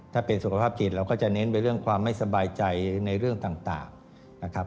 ถ้าเป็นสุขภาพจิตเราก็จะเน้นไปเรื่องความไม่สบายใจในเรื่องต่างนะครับ